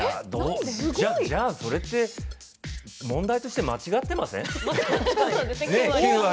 じゃあそれって問題として間違ってません？